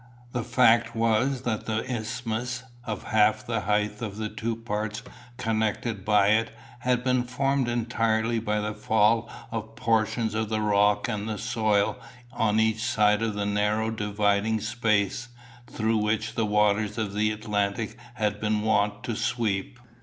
The fact was that the isthmus, of half the height of the two parts connected by it, had been formed entirely by the fall of portions of the rock and soil on each side into the narrow dividing space, through which the waters of the Atlantic had been wont to sweep.